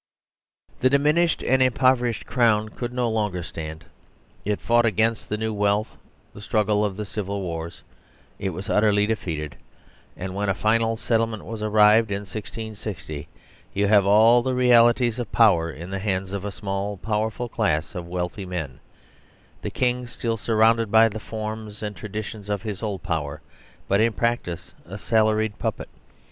The diminished and impoverished Crown could no longer stand. It fought against the new wealth, the struggle of the Civil Wars ; it was utterly defeated ; and when a final settlement was arrived at in 1660, you have all the realities of power in the hands of a small powerful class of wealthy men, the King still surrounded by the forms and traditions of his old power, but in practice a salaried puppet.